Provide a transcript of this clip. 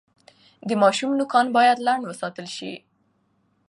د ماشوم نوکان باید لنډ وساتل شي۔